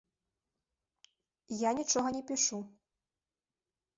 Я нічога не пішу.